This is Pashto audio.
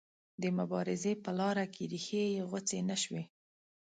د مبارزې په لاره کې ریښې یې غوڅې نه شوې.